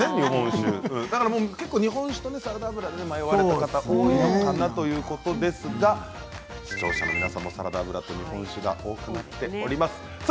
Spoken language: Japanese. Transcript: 結構、日本酒とサラダ油で迷われた方も多いのではというところですが視聴者の方も日本酒サラダ油が多くなっています。